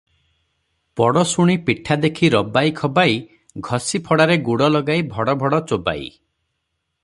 'ପଡ଼ୋଶୁଣୀ ପିଠା ଦେଖି ରବାଇ ଖବାଇ, ଘଷିଫଡାରେ ଗୁଡ ଲଗାଇ ଭଡ଼ ଭଡ଼ ଚୋବାଇ ।'